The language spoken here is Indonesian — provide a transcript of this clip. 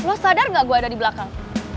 lo sadar gak gue ada di belakang